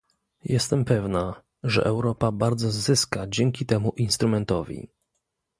Jestem pewna, że Europa bardzo zyska dzięki temu instrumentowi